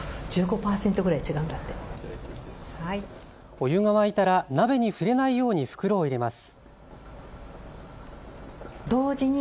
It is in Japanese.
お湯が沸いたら鍋に触れないように袋を入れます。